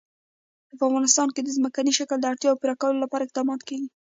په افغانستان کې د ځمکنی شکل د اړتیاوو پوره کولو لپاره اقدامات کېږي.